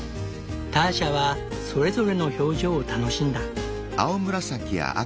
ターシャはそれぞれの表情を楽しんだ。